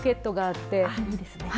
あっいいですね。